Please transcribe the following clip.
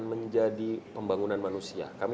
menjadi pembangunan manusia kami